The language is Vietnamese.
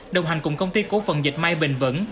đồng hành cùng công ty cổ phần dạch may bền vẫn